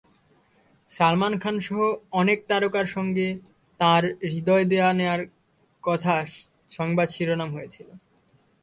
সালমান খানসহ অনেক তারকার সঙ্গে তাঁর হৃদয় দেওয়া-নেওয়ার কথা সংবাদ শিরোনাম হয়েছিল।